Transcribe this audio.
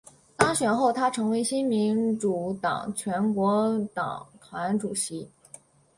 当选后她成为新民主党全国党团主席。